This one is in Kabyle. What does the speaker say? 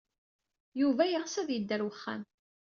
Yuba yeɣs ad yeddu ɣer uxxam.